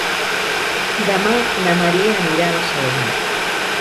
Demà na Maria anirà a Barcelona.